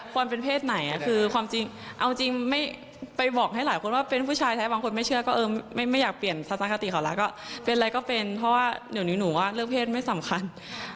ก็เป็นเพราะว่าเดี๋ยวนี้หนูว่าเลือกเพศไม่สำคัญ